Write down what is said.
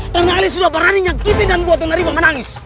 karena ali sudah berani nyakitin dan membuat nona riva menangis